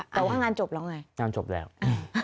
แต่ว่างานจบแล้วไง